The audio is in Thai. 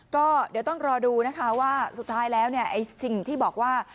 ก็เดี๋ยวต้องรอดูนะคะว่าสุดท้ายแล้วจริงที่บอกว่า